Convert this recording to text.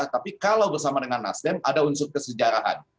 tapi kalau bersama dengan nasdem ada unsur kesejarahan